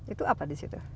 itu apa di situ